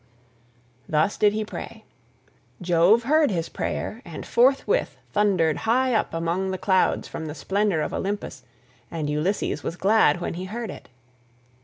Thus did he pray. Jove heard his prayer and forthwith thundered high up among the clouds from the splendour of Olympus, and Ulysses was glad when he heard it.